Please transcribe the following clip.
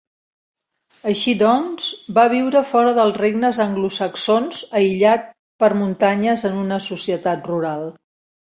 Així doncs, va viure fora dels regnes anglosaxons, aïllat per muntanyes en una societat rural.